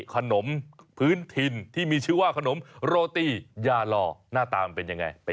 น้องใบตองเห็นแล้วเป็นไง